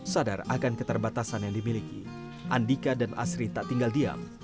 sadar akan keterbatasan yang dimiliki andika dan asri tak tinggal diam